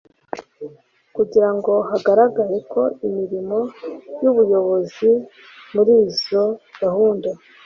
kugirango hagaragare ko imirimo y'ubuyobozi muri izo gahunda